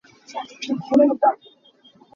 Ar a khuang.